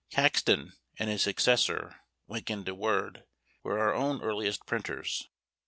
Caxton and his successor Wynkyn de Worde were our own earliest printers.